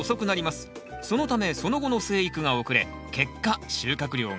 そのためその後の生育が遅れ結果収穫量が減ってしまうんです。